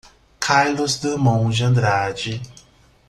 Carlos Drummond de Andrade.